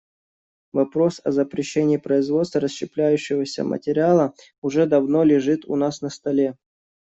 Вопрос о запрещении производства расщепляющегося материала уже давно лежит у нас на столе.